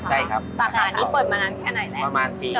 ใช่ครับสาขา๒ประมาณนี้เปิดมานานแค่ไหนแหละ